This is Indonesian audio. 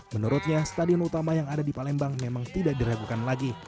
menurutnya stadion utama yang ada di palembang memang tidak diragukan lagi